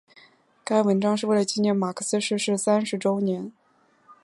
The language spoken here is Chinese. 该文章是为了纪念马克思逝世三十周年。